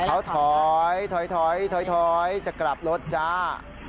เขาถอยถอยจะกลับรถจ้า